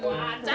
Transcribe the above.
makasih bang ya